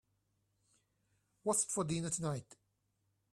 What's for dinner tonight?